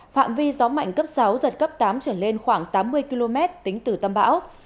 phạm vi gió mạnh cấp sáu giật cấp tám trở lên khoảng tám mươi km tính từ tâm bão